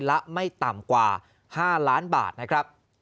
ละไม่ต่ำกว่า๕ล้านบาทนะครับ